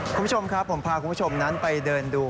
คุณผู้ชมครับผมพาคุณผู้ชมนั้นไปเดินดู